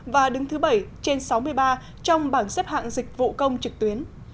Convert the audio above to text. và đứng thứ bảy trên sáu mươi ba trong bảng xếp hạng dịch vụ công trực tuyến